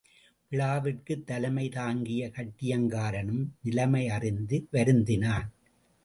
விழாவிற்குத் தலைமை தாங்கிய கட்டியங்காரனும் நிலைமை அறிந்து வருந்தினான்.